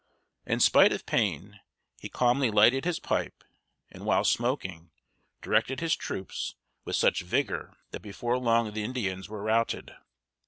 In spite of pain, he calmly lighted his pipe, and, while smoking, directed his troops with such vigor that before long the Indians were routed.